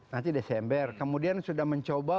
nanti desember kemudian sudah mencoba